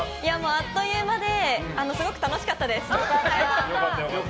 あっという間ですごく楽しかったです。